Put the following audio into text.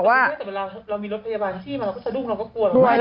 แต่เวลาเรามีรถพยาบาลที่มาก็จะดุ้งเราก็กลัว